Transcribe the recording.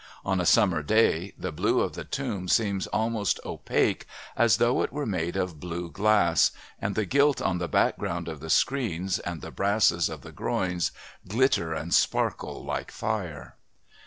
On a summer day the blue of the tomb seems almost opaque as though it were made of blue glass, and the gilt on the background of the screen and the brasses of the groins glitter and sparkle like fire.